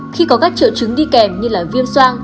khi có các triệu chứng đi kèm như là viêm soan